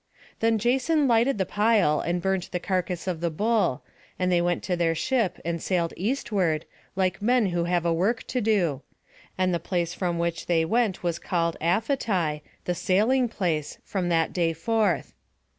Then Jason lighted the pile, and burnt the carcass of the bull; and they went to their ship and sailed eastward, like men who have a work to do; and the place from which they went was called Aphetai, the sailing place, from that day forth.